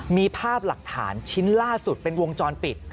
มีภาพหลักฐานชิ้นล่าสุดเป็นวงจรปิด